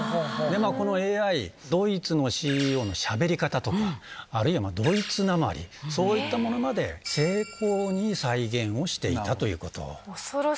このＡＩ、ドイツのＣＥＯのしゃべり方とか、あるいは、ドイツなまり、そういったものまで精巧に再現をしていたということ。